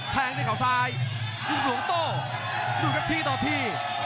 แทงที่ขาซ้ายลูกอำรวงโตดูกับที่ต่อที่